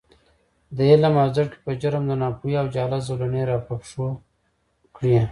د عـلم او زده کـړې پـه جـرم د نـاپـوهـۍ او جـهالـت زولـنې راپښـو کـړي .